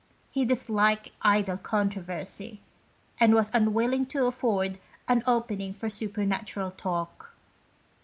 He disliked idle controversy, and was unwilling to afford an opening for super natural talk.